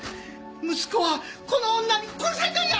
息子はこの女に殺されたんや！